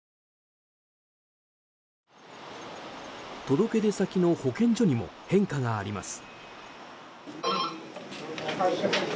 届け出先の保健所にも変化があります。